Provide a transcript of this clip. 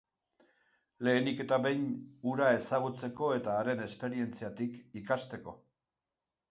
Lehenik eta behin, hura ezagutzeko eta haren esperientziatik ikasteko.